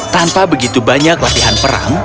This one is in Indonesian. tanpa begitu banyak latihan perang